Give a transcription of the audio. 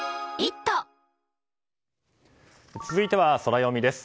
続いてはソラよみです。